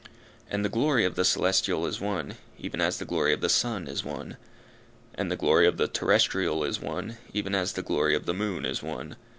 And the glory of the celestial is one, even as the glory of the sun is one. And the glory of the terrestrial is one, even as the glory of the moon is one.